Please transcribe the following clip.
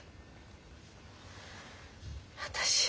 私